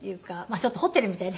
ちょっとホテルみたいね